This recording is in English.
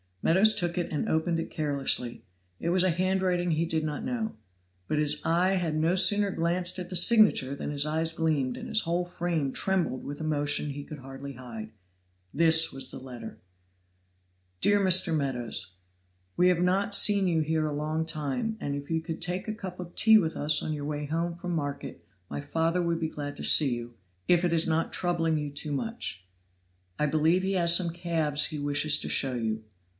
Meadows took it and opened it carelessly; it was a handwriting he did not know. But his eye had no sooner glanced at the signature than his eyes gleamed and his whole frame trembled with emotion he could hardly hide. This was the letter: "DEAR MR. MEADOWS We have not seen you here a long time, and if you could take a cup of tea with us on your way home from market, my father would be glad to see you, if it is not troubling you too much. "I believe he has some calves he wishes to show you.